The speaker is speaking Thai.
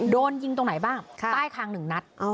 โดนยิงตรงไหนบ้างใต้คาง๑นัด